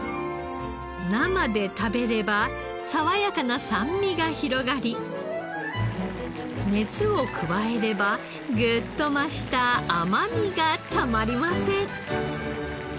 生で食べれば爽やかな酸味が広がり熱を加えればグッと増した甘みがたまりません。